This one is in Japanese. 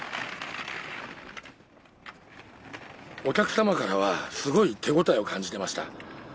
お客様からはすごい手応えを感じてました。